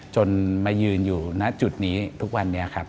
จนมายืนอยู่ณจุดนี้ทุกวันนี้ครับ